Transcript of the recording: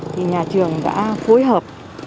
thì nhà trường đã phối hợp